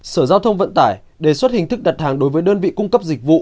sở giao thông vận tải đề xuất hình thức đặt hàng đối với đơn vị cung cấp dịch vụ